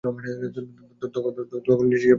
ভবনের শীর্ষে পর্যবেক্ষণ কক্ষ রয়েছে।